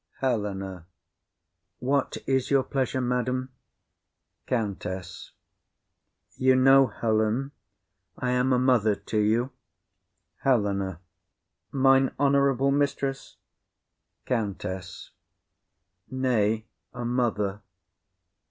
HELENA. What is your pleasure, madam? COUNTESS. You know, Helen, I am a mother to you. HELENA. Mine honourable mistress. COUNTESS. Nay, a mother.